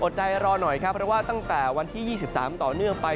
ใจรอหน่อยครับเพราะว่าตั้งแต่วันที่๒๓ต่อเนื่องไป